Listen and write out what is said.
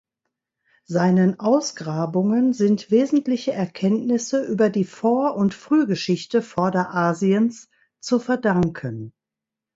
Seinen Ausgrabungen sind wesentliche Erkenntnisse über die Vor- und Frühgeschichte Vorderasiens zu verdanken.